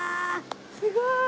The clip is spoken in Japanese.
すごい。